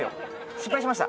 失敗しました